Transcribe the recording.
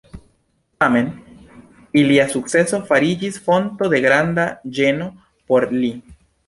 Tamen ilia sukceso fariĝis fonto de granda ĝeno por li.